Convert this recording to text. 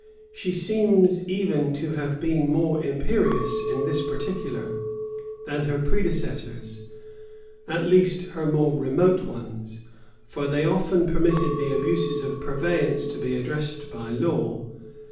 [] She seems even to have been more imperious, in this particular, than her predecessors; at least her more remote ones: for they often permitted the abuses of purveyance[] to be redressed by law.